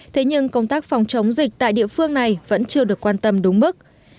thế nhưng công tác phòng chống dịch tại địa phương này vẫn chưa được quan tâm đúng mức